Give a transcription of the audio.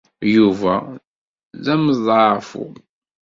Yuba d ameḍɛafu.